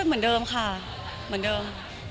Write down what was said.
เหมือนเดิมค่ะเหมือนเดิม